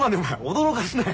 驚かすなや。